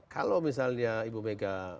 kalau misalnya ibu mega